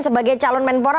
sebagai calon menpora